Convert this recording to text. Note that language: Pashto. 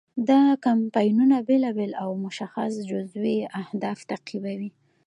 دا کمپاینونه بیلابیل او مشخص جزوي اهداف تعقیبوي.